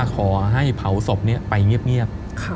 อย่ามาให้เผาศพเนี่ยไปเงียบ